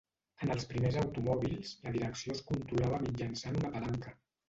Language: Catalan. En els primers automòbils la direcció es controlava mitjançant una palanca.